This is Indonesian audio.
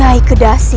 aku belum mati